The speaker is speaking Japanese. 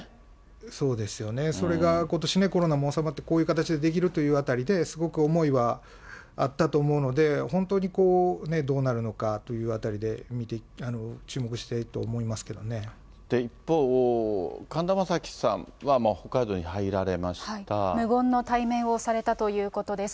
そうですよね、それがことし、コロナも収まって、こういう形でできるというあたりで、すごく思いはあったと思うので、本当にどうなるのかというあたりで注目していたいと思いますけど一方、神田正輝さんは北海道無言の対面をされたということです。